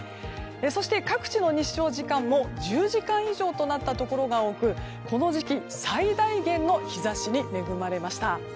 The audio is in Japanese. そして各地の日照時間も１０時間以上となったところが多くこの時期、最大限の日差しに恵まれました。